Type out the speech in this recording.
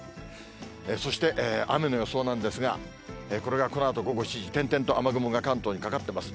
そして、雨の予想なんですが、これがこのあと午後７時、点々と雨雲が関東にかかってます。